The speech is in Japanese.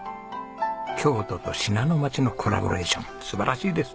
京都と信濃町のコラボレーション素晴らしいです！